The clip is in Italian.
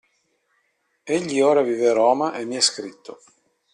Egli ora vive a Roma e mi ha scritto.